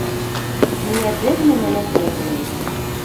— Миңә бер нәмә лә кәрәкмәй.